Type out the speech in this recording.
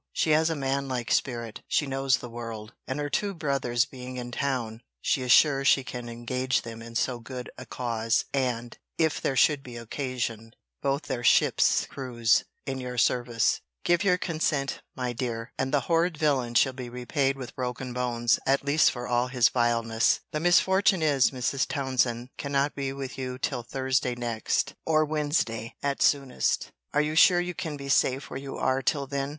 She has a manlike spirit. She knows the world. And her two brothers being in town, she is sure she can engage them in so good a cause, and (if there should be occasion) both their ships' crews, in your service. * For the account of Mrs. Townsend, &c. see Vol. IV. Letter XLII. Give your consent, my dear; and the horrid villain shall be repaid with broken bones, at least, for all his vileness! The misfortune is, Mrs. Townsend cannot be with you till Thursday next, or Wednesday, at soonest: Are you sure you can be safe where you are till then?